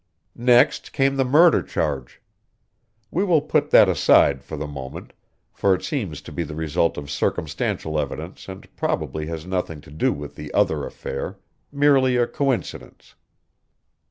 Next came the murder charge! We will put that aside for the moment, for it seems to be the result of circumstantial evidence and probably has nothing to do with the other affair merely a coincidence.